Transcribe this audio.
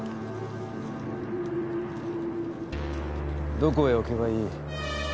どこへ置けばいい？